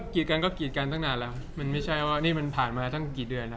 กันก็กรีดกันตั้งนานแล้วมันไม่ใช่ว่านี่มันผ่านมาตั้งกี่เดือนแล้ว